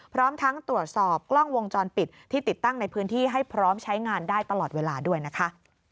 พร้อมทั้งตรวจสอบกล้องวงจรปิดที่ติดตั้งในพื้นที่ให้พร้อมใช้งานได้ตลอดเวลาด้วยนะคะ